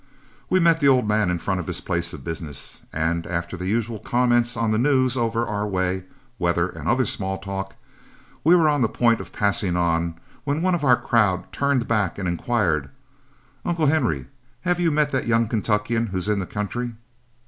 We met the old man in front of his place of business, and, after the usual comment on the news over our way, weather, and other small talk, we were on the point of passing on, when one of our own crowd turned back and inquired, 'Uncle Henry, have you met the young Kentuckian who's in the country?'